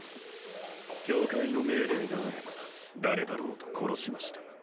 教会の命令があれば誰だろうと殺しました